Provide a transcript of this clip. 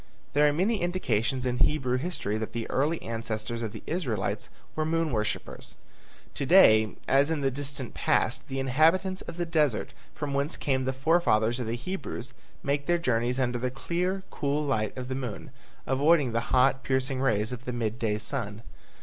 There are many indications in Hebrew history that the early ancestors of the Israelites were moon worshippers. To day as in the distant past the inhabitants of the deserts from whence came the forefathers of the Hebrews make their journeys under the clear, cool light of the moon, avoiding the hot, piercing rays of the mid day sun.